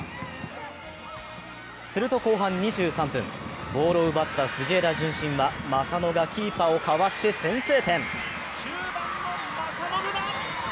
すると後半２３分、ボールを奪った藤枝順心は正野がキーパーをかわして先制点。